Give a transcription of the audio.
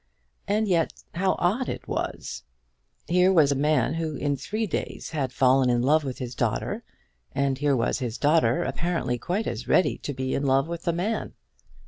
And yet, how odd it was! Here was a man who in three days had fallen in love with his daughter; and here was his daughter apparently quite as ready to be in love with the man.